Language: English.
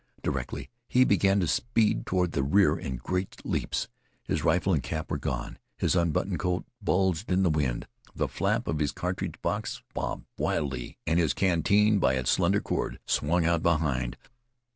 Directly he began to speed toward the rear in great leaps. His rifle and cap were gone. His unbuttoned coat bulged in the wind. The flap of his cartridge box bobbed wildly, and his canteen, by its slender cord, swung out behind.